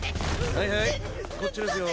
はいはいこっちですよ。